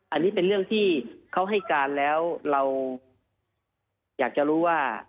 อันนี้เป็นเรื่องที่เขาให้การแล้วเราอยากจะรู้ว่า